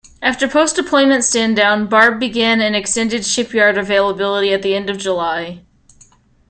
After post-deployment standdown, "Barb" began an extended shipyard availability at the end of July.